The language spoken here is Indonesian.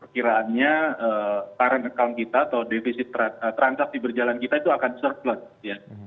kiraannya current account kita atau defisit transaksi berjalan kita itu akan surplus ya